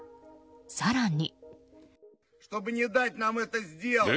更に。